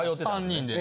３人で。